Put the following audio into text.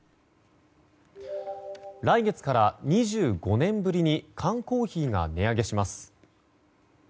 来月から２５年ぶりに缶コーヒーが値上げします。